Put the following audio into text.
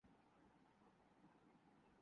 آج صبح میں دیر سے بیدار ہوا